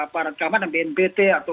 para agama bnpt atau